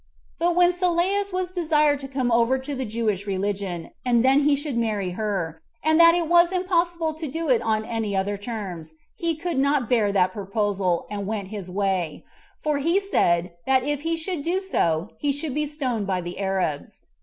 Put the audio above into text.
But when Sylleus was desired to come over to the Jewish religion, and then he should marry her, and that it was impossible to do it on any other terms, he could not bear that proposal, and went his way; for he said, that if he should do so, he should be stoned by the Arabs.